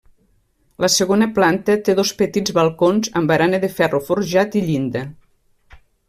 La segona planta té dos petits balcons amb barana de ferro forjat i llinda.